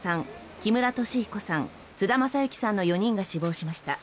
木村敏彦さん、津田正行さんの４人が死亡しました。